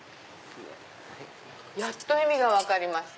やっと意味が分かりました。